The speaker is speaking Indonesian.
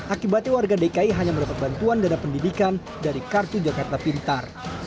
akibatnya warga dki hanya mendapat bantuan dana pendidikan dari kartu jakarta pintar